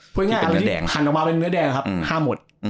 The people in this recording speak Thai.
พูดง่ายอันนี้หันออกมาเป็นเนื้อแดงครับห้ามหมด